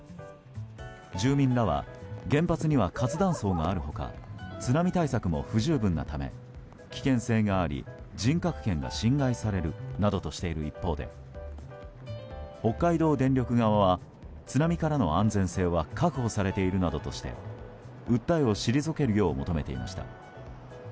住民らは原発には活断層がある他津波対策も不十分なため危険性があり人格権が侵害されるなどとしている一方で北海道電力側は津波からの安全性は確保されているなどとして訴えを退けるよう求めていました。